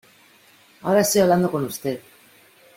ahora estoy hablando con usted.